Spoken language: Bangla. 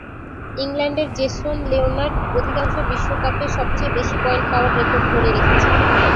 ইংল্যান্ডের জেসন লিওনার্ড অধিকাংশ বিশ্বকাপে সবচেয়ে বেশি পয়েন্ট পাওয়ার রেকর্ড ধরে রেখেছেন।